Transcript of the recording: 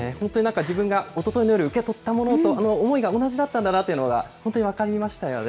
自分がおとといの夜、受け取ったものと、思いが同じだったんだなというのが、本当に分かりましたよね。